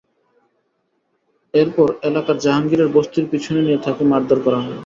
এর পর এলাকার জাহাঙ্গীরের বস্তির পেছন নিয়ে তাঁকে মারধর করা হয়।